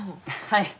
はい。